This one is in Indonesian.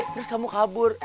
terus kamu kabur